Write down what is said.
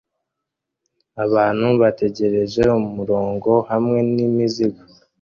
abantu bategereje umurongo hamwe n'imizigo